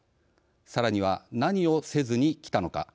さらには何をせずにきたのか。